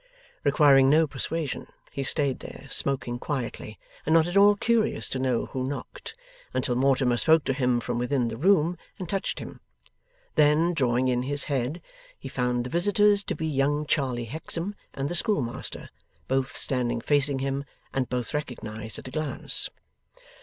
Requiring no persuasion, he stayed there, smoking quietly, and not at all curious to know who knocked, until Mortimer spoke to him from within the room, and touched him. Then, drawing in his head, he found the visitors to be young Charley Hexam and the schoolmaster; both standing facing him, and both recognized at a glance.